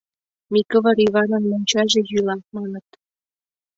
— Микывыр Йыванын мончаже йӱла, — маныт.